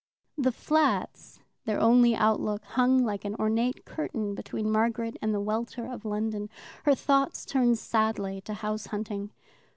The flats, their only outlook, hung like an ornate curtain between Margaret and the welter of London. Her thoughts turned sadly to house hunting.